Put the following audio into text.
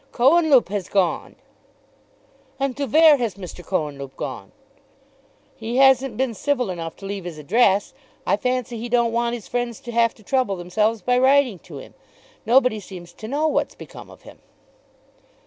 "Cohenlupe has gone!" "And to vere has Mr. Cohenlupe gone?" "He hasn't been civil enough to leave his address. I fancy he don't want his friends to have to trouble themselves by writing to him. Nobody seems to know what's become of him."